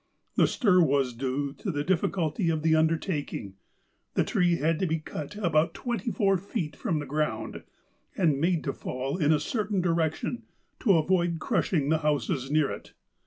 The stir was due to the difficulty of the undertaking. The tree had to be cut about twenty four feet from the ground, and made to fall in a certain direction, to avoid crushing the houses near it.